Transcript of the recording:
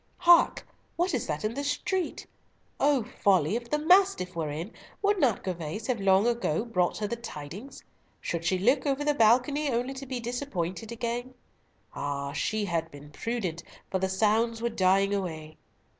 Hark, what is that in the street? Oh, folly! If the Mastiff were in, would not Gervas have long ago brought her the tidings? Should she look over the balcony only to be disappointed again? Ah! she had been prudent, for the sounds were dying away.